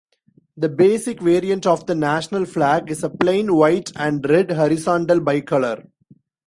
The basic variant of the national flag is a plain white-and-red horizontal bicolor.